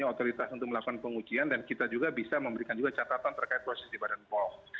jadi kita punya otomatis untuk melakukan pengujian dan kita juga bisa memberikan catatan terkait proses di badan pom